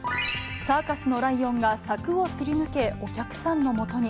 サーカスのライオンが柵をすり抜けお客さんのもとに。